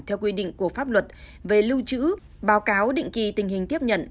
theo quy định của pháp luật về lưu trữ báo cáo định kỳ tình hình tiếp nhận